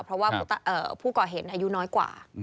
เพราะว่าผู้ก่อเหตุอายุน้อยกว่า